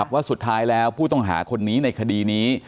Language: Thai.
ว่าสุดท้ายแล้วผู้ต้องหาคนนี้ในคดีนี้